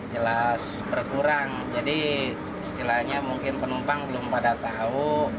jelas berkurang jadi istilahnya mungkin penumpang belum pada tahu